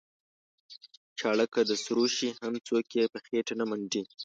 چاړه که د سرو شي هم څوک یې په خېټه نه منډي.